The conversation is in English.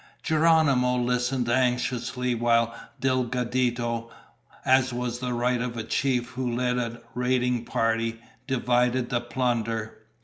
Geronimo listened anxiously while Delgadito, as was the right of a chief who led a raiding party, divided the plunder.